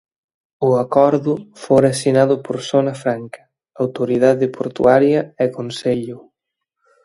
O acordo fora asinado por Zona Franca, Autoridade Portuaria e Concello.